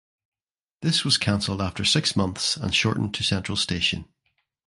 This was canceled after six months and shortened to Central Station.